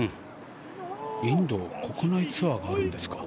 インド国内ツアーがあるんですか。